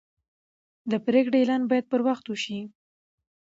د پریکړې اعلان باید پر وخت وشي.